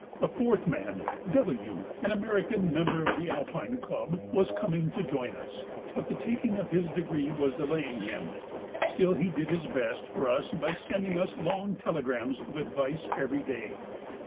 A fourth man, W., an American member of the A.C., was coming to join us, but the taking of his degree was delaying him. Still he did his best for us by sending us long telegrams of advice every day.